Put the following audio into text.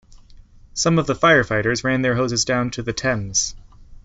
Some of the firefighters ran their hoses down to the Thames.